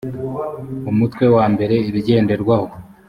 umutwe wa mbere ibigenderwaho